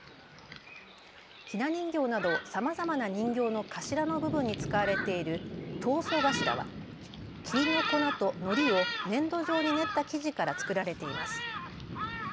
ひな人形などさまざまな人形の頭の部分に使われている桐塑頭はきりの粉とのりを粘土状に練った生地から作られています。